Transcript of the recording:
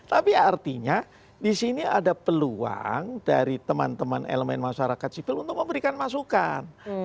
tapi artinya di sini ada peluang dari teman teman elemen masyarakat sipil untuk memberikan masukan